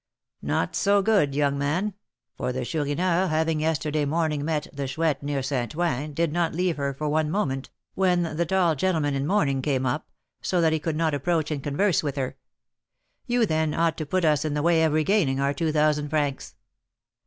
"Not so good, young man; for the Chourineur, having yesterday morning met the Chouette, near St. Ouen, did not leave her for one moment, when the tall gentleman in mourning came up, so that he could not approach and converse with her. You, then, ought to put us in the way of regaining our two thousand francs."